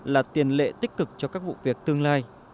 là tiền lệ tích cực cho các vụ việc tương lai